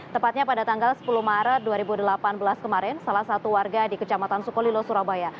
tepatnya pada tanggal sepuluh maret dua ribu delapan belas kemarin salah satu warga di kecamatan sukolilo surabaya